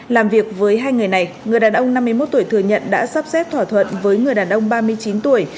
làm việc với hai người này người đàn ông năm mươi một tuổi thừa nhận đã sắp xếp thỏa thuận với người đàn ông ba mươi chín tuổi